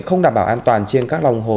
không đảm bảo an toàn trên các lòng hồ